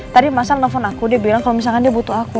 tadi masa nelfon aku dia bilang kalau misalkan dia butuh aku